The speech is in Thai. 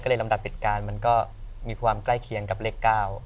ก็เลยลำดับเหตุการณ์มันก็มีความใกล้เคียงกับเลข๙